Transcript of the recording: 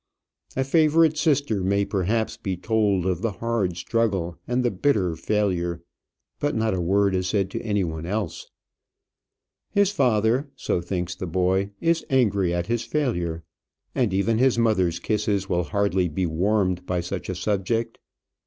A favourite sister may perhaps be told of the hard struggle and the bitter failure, but not a word is said to any one else. His father, so thinks the boy, is angry at his failure; and even his mother's kisses will hardly be warmed by such a subject.